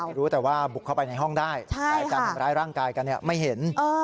ไม่รู้แต่ว่าบุกเข้าไปในห้องได้แต่การทำร้ายร่างกายกันไม่เห็น